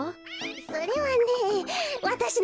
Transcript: それはねわたしの恋人！